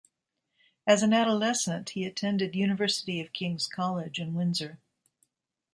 As an adolescent, he attended University of King's College in Windsor.